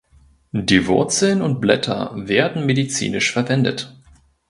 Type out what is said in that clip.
Die Wurzeln und Blätter werden medizinisch verwendet.